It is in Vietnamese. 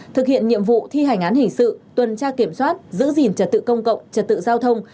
thực hiện nhiệm vụ thi hành án hình sự tuần tra kiểm soát giữ gìn trật tự công cộng trật tự giao thông